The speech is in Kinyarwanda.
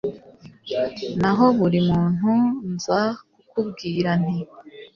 naho buri muntu nza kukubwira nti